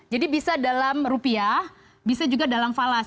jadi bisa dalam rupiah bisa juga dalam falas